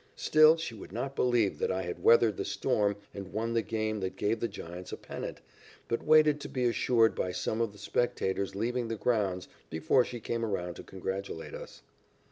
Still she would not believe that I had weathered the storm and won the game that gave the Giants a pennant, but waited to be assured by some of the spectators leaving the grounds before she came around to congratulate us.